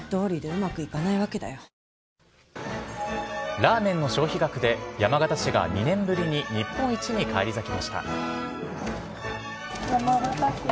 ⁉ラーメンの消費額で山形市が２年ぶりに日本一に返り咲きました。